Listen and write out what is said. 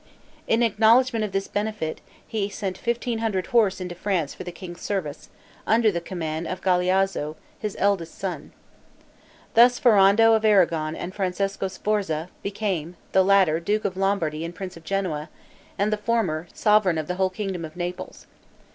In acknowledgment of this benefit, he sent fifteen hundred horse into France for the king's service, under the command of Galeazzo, his eldest son. Thus Ferrando of Aragon and Francesco Sforza became, the latter, duke of Lombardy and prince of Genoa, and the former, sovereign of the whole kingdom of Naples.